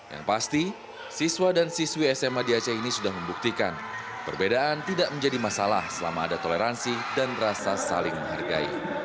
yang pasti siswa dan siswi sma di aceh ini sudah membuktikan perbedaan tidak menjadi masalah selama ada toleransi dan rasa saling menghargai